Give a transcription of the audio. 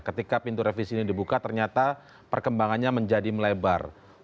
ketika pintu revisi ini dibuka ternyata perkembangannya menjadi melebar